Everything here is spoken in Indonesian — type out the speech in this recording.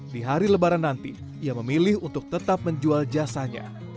di hari lebaran nanti ia memilih untuk tetap menjual jasanya